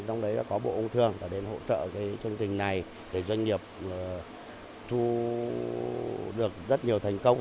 trong đấy có bộ âu thương đã đến hỗ trợ chương trình này để doanh nghiệp thu được rất nhiều thành công